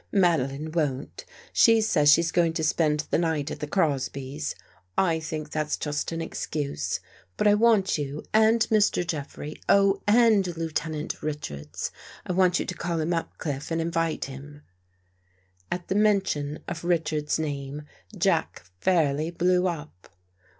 " Madeline won't. She says she's going to spend the night at the Crosbys'. I think that's just an excuse. But I want you, and Mr. Jeffrey — oh, and Lieutenant Richards. I want you to call him up. Cliff, and in vite him." At the mention of Richards's name. Jack fairly blew up.